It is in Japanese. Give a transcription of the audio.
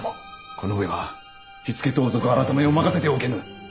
この上は火付盗賊改を任せておけぬ。